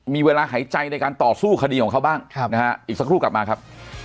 มีเวลาหายใจในการต่อสู้คดีของเขาบ้างนะฮะอีกสักครู่กลับมาครับ